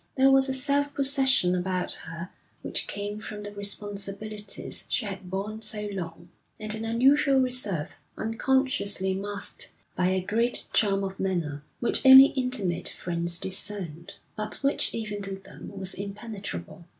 There was a self possession about her which came from the responsibilities she had borne so long, and an unusual reserve, unconsciously masked by a great charm of manner, which only intimate friends discerned, but which even to them was impenetrable.